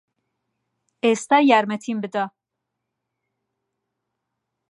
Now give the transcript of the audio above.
ئێستا یارمەتیم بدە.